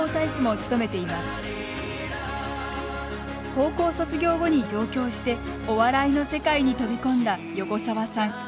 高校卒業後に上京してお笑いの世界に飛び込んだ横澤さん。